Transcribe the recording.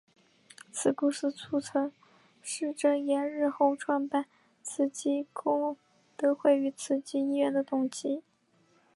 此故事促成释证严日后创办慈济功德会与慈济医院的动机。